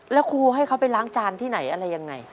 แล้วครูให้เขาไปล้างจานที่ไหนอะไรยังไง